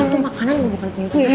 itu makanan gue bukan punya gue